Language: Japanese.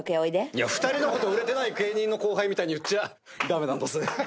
いや２人のこと売れてない芸人の後輩みたいに言っちゃダメなんだぜ。